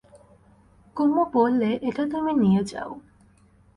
কুমু বললে, এটা তুমি নিয়ে যাও।